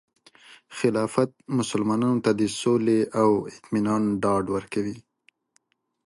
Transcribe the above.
خلافت مسلمانانو ته د سولې او اطمینان ډاډ ورکوي.